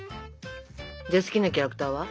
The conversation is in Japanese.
じゃあ好きなキャラクターは？